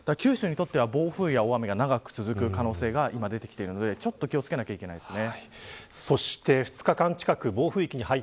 九州は暴風や大雨が長く続く可能性が出てきているのでちょっと気を付けなければいけません。